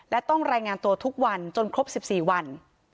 และต้องรายงานตัวทุกวันจนครบ๑๔วัน